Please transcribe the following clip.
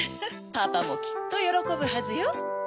パパもきっとよろこぶはずよ。